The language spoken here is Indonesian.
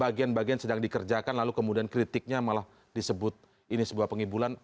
bagian bagian sedang dikerjakan lalu kemudian kritiknya malah disebut ini sebuah pengibulan